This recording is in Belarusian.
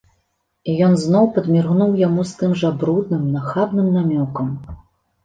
І ён зноў падміргнуў яму з тым жа брудным, нахабным намёкам.